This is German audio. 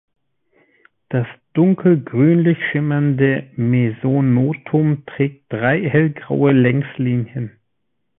Das dunkel grünlich schimmernde Mesonotum trägt drei hellgraue Längslinien.